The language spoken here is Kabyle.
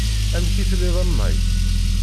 Amek i telliḍ a Mike?